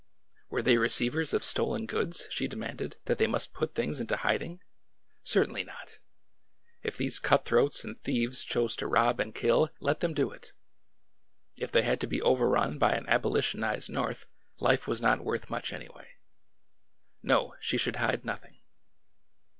Were they receivers of stolen goods, she demanded, that they must put things into hiding? Certainly not! If these cutthroats and thieves chose to rob and kill, let them do it 1 If they had to be overrun by an abolitionized North, life was not worth much, anyway. No! She should hide nothing!